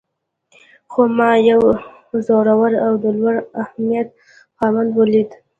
خو ما يو زړور او د لوړ همت خاوند وليد.